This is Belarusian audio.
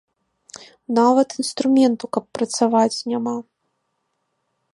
Нават інструменту, каб працаваць, няма.